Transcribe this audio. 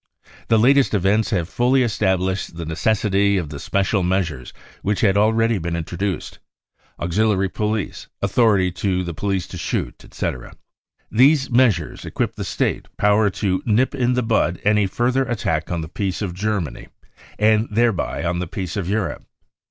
The latest events have fully estab lished the necessity of the special measures which had already been introduced (auxiliary police, authority to the police to shoot, etc.). These measures equip the State power to nip in the bud any further attack on the peace of Germany and thereby on the peace of Europe.